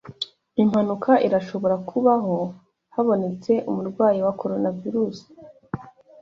Impanuka irashobora kubaho habonetse umurwayi wa Coronavirus